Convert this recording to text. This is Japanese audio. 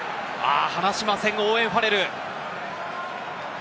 離しませんオーウェン・ファレル。